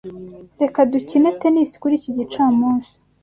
Reka dukine tennis kuri iki gicamunsi.